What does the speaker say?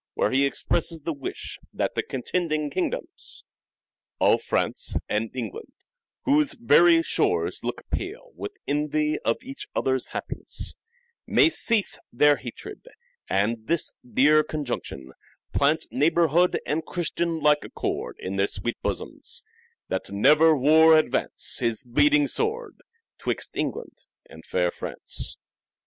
where he expresses the wish " that the contending kingdoms " Of France and England, whose very shores look pale With envy of each other's happiness, May cease their hatred, and this dear conjunction Plant neighbourhood and Christian like accord In their sweet bosoms, that never war advance His bleeding sword 'twixt England and fair France.